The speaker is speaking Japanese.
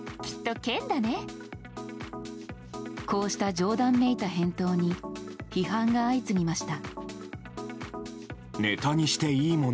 こうした冗談めいた返答に批判が相次ぎました。